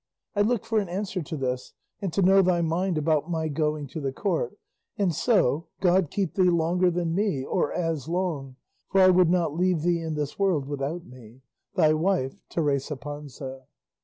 I look for an answer to this, and to know thy mind about my going to the Court; and so, God keep thee longer than me, or as long, for I would not leave thee in this world without me. Thy wife, TERESA PANZA.